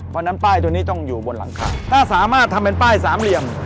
เพราะฉะนั้นป้ายตัวนี้ต้องอยู่บนหลังคาถ้าสามารถทำเป็นป้ายสามเหลี่ยม